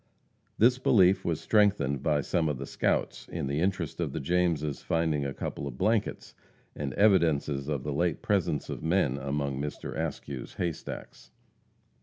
This belief was strengthened by some of the scouts in the interest of the Jameses finding a couple of blankets, and evidences of the late presence of men among Mr. Askew's haystacks.